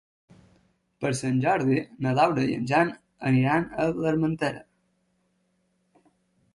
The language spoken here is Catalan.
Per Sant Jordi na Laura i en Jan aniran a l'Armentera.